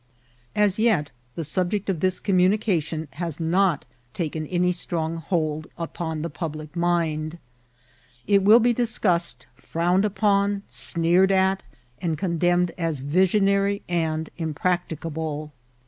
As yet the subject of this communication has not taken any strong hold upon the public mind. It will ba discussed, frowned upon, sneered at, and condemned as visionary and impracticable.